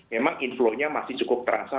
memang inflownya masih cukup terasa